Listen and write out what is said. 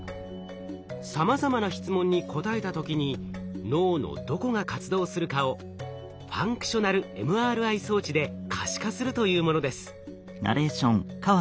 さまざまな質問に答えた時に脳のどこが活動するかをｆＭＲＩ装置で可視化するというものです。